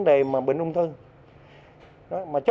pe này là pe tái chế